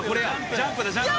ジャンプだジャンプ。